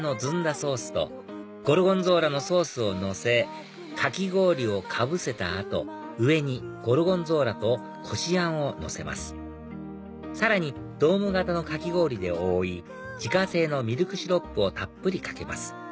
ソースとゴルゴンゾーラのソースをのせかき氷をかぶせた後上にゴルゴンゾーラとこしあんをのせますさらにドーム型のかき氷で覆い自家製のミルクシロップをたっぷりかけます